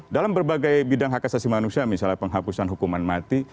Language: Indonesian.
dalam berbagai bidang hak asasi manusia misalnya penghapusan hukuman mati